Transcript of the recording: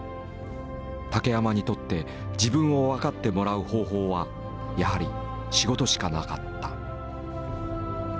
竹山にとって自分を分かってもらう方法はやはり仕事しかなかった。